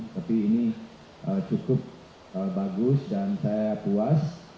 tapi ini cukup bagus dan saya puas